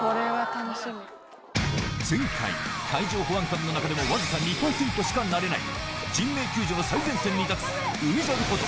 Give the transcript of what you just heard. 前回海上保安官の中でもわずか２％しかなれない人命救助の最前線に立つ海猿こと